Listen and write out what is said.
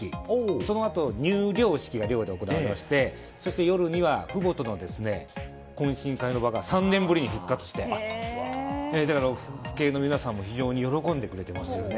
そのあと、入寮式が寮で行われましてそして夜には父母との懇親の場が３年ぶりに復活して父兄の皆さんも非常に喜んでいますね。